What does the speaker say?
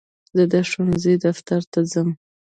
زه د ښوونځي دفتر ته ځم.